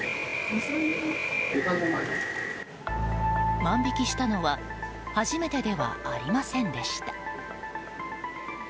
万引きしたのは初めてではありませんでした。